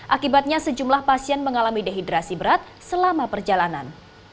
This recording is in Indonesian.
akibatnya sejumlah pasien mengalami dehidrasi berat selama perjalanan